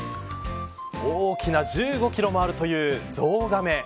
大きな１５キロもあるというゾウガメ。